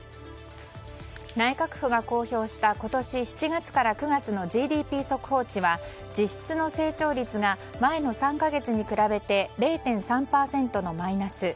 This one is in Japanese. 内閣府が公表した今年７月から９月のＧＤＰ速報値は実質の成長率が前の３か月に比べて０．３％のマイナス。